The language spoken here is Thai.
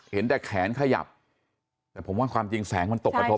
เห็นแต่แขนขยับแต่ผมว่าความจริงแสงมันตกกระทบ